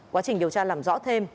quá trình điều tra làm rõ thêm